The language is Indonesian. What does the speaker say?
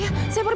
dia pasti menang